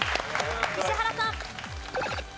石原さん。